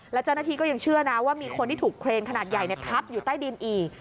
แล้วเจ้าหน้าที่ก็ยังเชื่อนะว่ามีคนที่ถูกเครนขนาดใหญ่ทับอยู่ใต้ดินอีก